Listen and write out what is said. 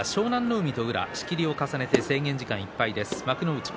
海と宇良仕切りを重ねて制限時間いっぱいです。